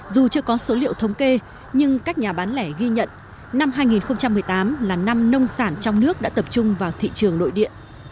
dù chưa có số liệu thống kê nhưng các nhà bán lẻ ghi nhận năm hai nghìn một mươi tám là năm nông sản trong nước đã tập trung vào thị trường nội địa